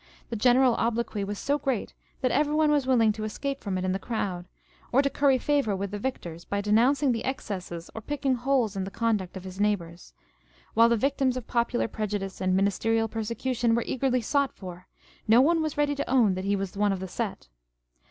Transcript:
The general obloquy was so great that every one was willing to escape from it in the crowd, or to curry favour with the victors by denouncing the excesses or picking holes in the conduct of his neighbours. While the victims of popular prejudice and ministerial persecution were eagerly sought for, no one was ready to own that he was one of the set.